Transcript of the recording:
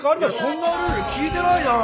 そんなルール聞いてないな！